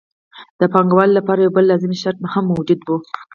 د پانګوالۍ لپاره یو بل لازم شرط هم موجود وو